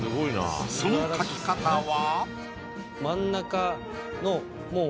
その描き方は？